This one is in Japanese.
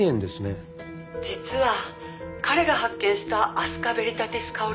「実は彼が発見したアスカベリタティスカオル